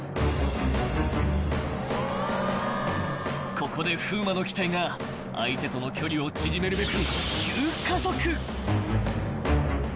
［ここで風磨の機体が相手との距離を縮めるべく］